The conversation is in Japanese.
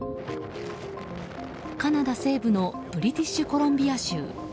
カナダ西部のブリティッシュコロンビア州。